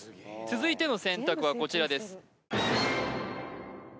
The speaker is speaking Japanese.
続いての選択はこちらです